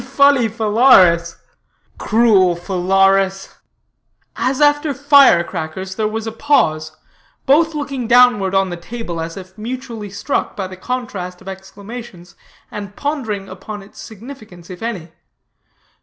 "Funny Phalaris!" "Cruel Phalaris!" As after fire crackers, there was a pause, both looking downward on the table as if mutually struck by the contrast of exclamations, and pondering upon its significance, if any.